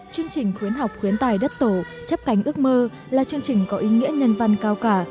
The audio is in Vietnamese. chương trình khuyến học khuyến tài đất tổ chấp cánh ước mơ là chương trình có ý nghĩa nhân văn cao cả